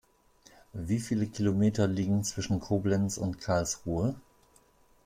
Wie viele Kilometer liegen zwischen Koblenz und Karlsruhe?